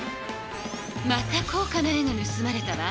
また高かな絵がぬすまれたわ。